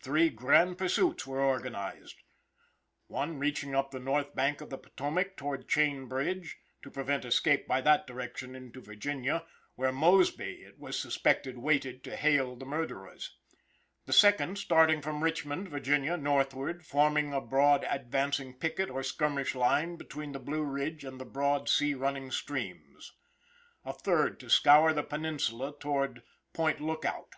Three grand pursuits wore organized: one reaching up the north bank of the Potomac toward Chain bridge, to prevent escape by that direction into Virginia, where Mosby, it was suspected, waited to hail the murderers; A second starting from Richmond, Va., northward, forming a broad advancing picket or skirmish line between the Blue Ridge and the broad sea running streams; A third to scour the peninsula towards Point Lookout.